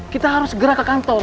kita harus gerak ke kantor